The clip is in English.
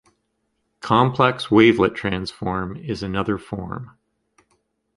Complex wavelet transform is another form.